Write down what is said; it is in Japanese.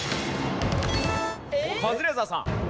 カズレーザーさん。